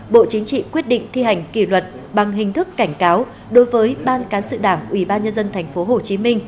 bộ chính trị quyết định thi hành kỷ luật bằng hình thức cảnh cáo đối với ban cán sự đảng ubnd tp hcm